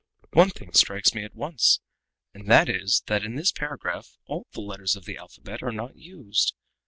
"One thing strikes me at once, and that is that in this paragraph all the letters of the alphabet are not used.